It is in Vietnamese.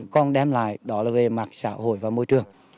còn đem lại đó là về mặt xã hội và môi trường